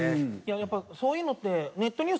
やっぱりそういうのって